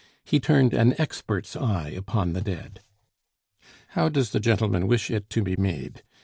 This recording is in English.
He turned an expert's eye upon the dead. "How does the gentleman wish 'it' to be made?